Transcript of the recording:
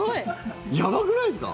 やばくないですか。